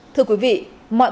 thưa quý vị